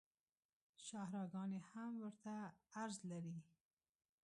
شاهراه ګانې هم ورته عرض لري